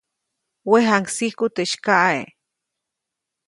Wejaŋsiku teʼ sykaʼe.